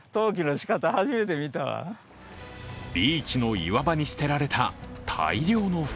ビーチの岩場に捨てられた大量の袋。